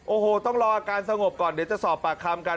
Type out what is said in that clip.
โอ้โหต้องรออาการสงบก่อนเดี๋ยวจะสอบปากคำกัน